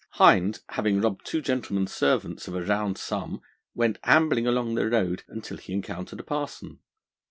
Hind, having robbed two gentlemen's servants of a round sum, went ambling along the road until he encountered a parson.